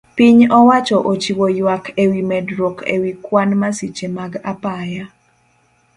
Piny owacho ochiwo yuak ewi medruok ekwan masiche mag apaya